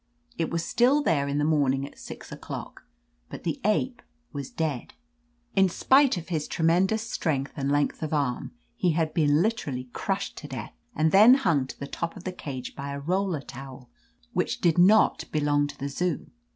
It was still there in the morning at six o'clock, but the ape was dead. In spite of his tremendous strength and length of arm, he had been literally crushed to death, and then hung to the top of 204 y^ OF LETITIA CARBERRY the cage by a roller towel which did not be long to the Zoo.